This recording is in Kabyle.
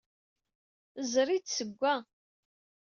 Zri-d seg-a.